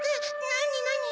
なになに？